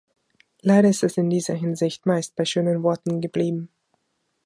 Leider ist es in dieser Hinsicht meist bei schönen Worten geblieben.